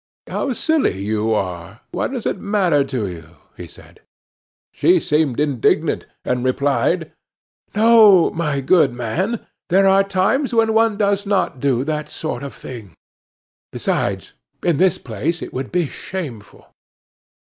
"How silly you are! What does it matter to you?" he said. She seemed indignant, and replied: "No, my good man, there are times when one does not do that sort of thing; besides, in this place it would be shameful."